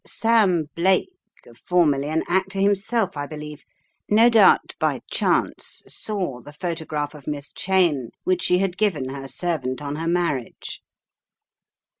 Sam Blake formerly an actor himself I believe, no doubt by chance saw the photograph of Miss Cheyne, which she had given her servant on her marriage.